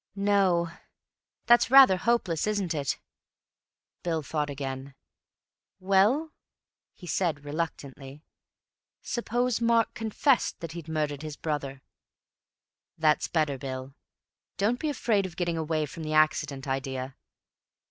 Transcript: "No, that's rather hopeless, isn't it?" Bill thought again. "Well," he said reluctantly, "suppose Mark confessed that he'd murdered his brother?" "That's better, Bill. Don't be afraid of getting away from the accident idea.